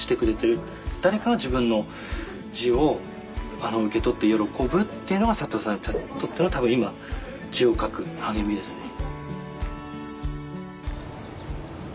誰かが自分の字を受け取って喜ぶっていうのが覚さんにとっての多分今字を書く励みですね。